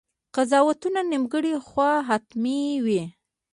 قضاوتونه نیمګړي خو حتماً وي.